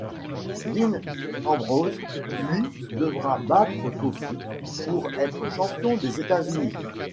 Dean Ambrose, lui, devra battre Kofi pour être champion des États-Unis.